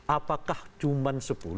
apakah cuma sepuluh